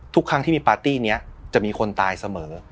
ทุกครั้งที่มีปาร์ตี้นี้จะมีคนตายเสมอ